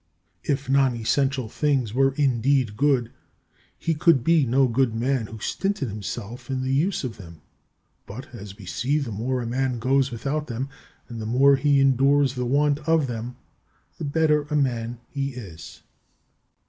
If non essential things were indeed good, he could be no good man who stinted himself in the use of them; but, as we see, the more a man goes without them, and the more he endures the want of them, the better a man he is.